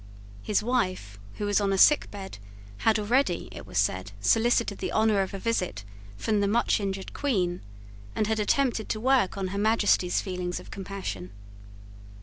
His wife, who was on a sick bed, had already, it was said, solicited the honour of a visit from the much injured Queen, and had attempted to work on Her Majesty's feelings of compassion.